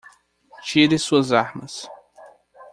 Tire suas armas.